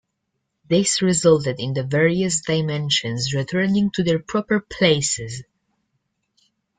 This resulted in the various dimensions returning to their proper places.